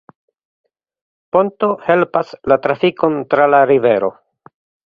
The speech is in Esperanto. Ponto helpas la trafikon tra la rivero.